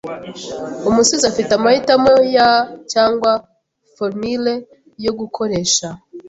Umusizi afite amahitamo ya cyangwa formulaire yo gukoresha